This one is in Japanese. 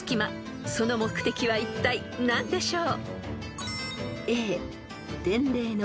［その目的はいったい何でしょう？］